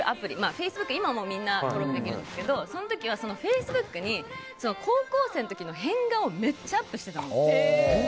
フェイスブックみんな今は登録できるんですけどその時はフェイスブックに高校生の時の変顔をめっちゃアップしてたんです。